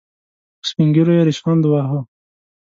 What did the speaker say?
په سپين ږيرو يې ريشخند وواهه.